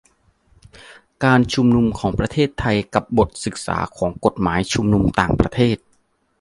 การชุมนุมของประเทศไทยกับบทศึกษาของกฎหมายชุมนุมต่างประเทศ